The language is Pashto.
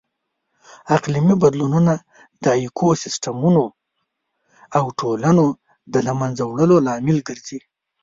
اقلیمي بدلونونه د ایکوسیسټمونو او ټولنو د لهمنځه وړلو لامل ګرځي.